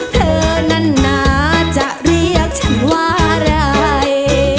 เธอนั้นนะจะเรียกฉันว่าอะไร